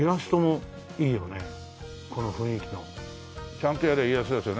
ちゃんとやりゃ家康ですよね。